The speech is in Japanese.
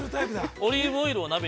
◆オリーブオイルを鍋に。